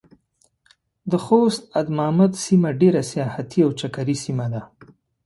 د خوست ادمامد سيمه ډېره سياحتي او چکري سيمه ده.